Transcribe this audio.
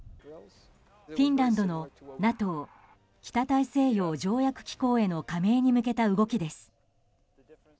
フィンランドのＮＡＴＯ・北大西洋条約機構への加盟に向けた動きです。